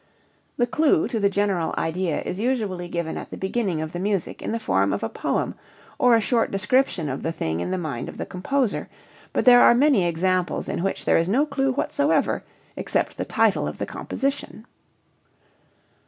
The clue to the general idea is usually given at the beginning of the music in the form of a poem or a short description of the thing in the mind of the composer, but there are many examples in which there is no clue whatsoever except the title of the composition.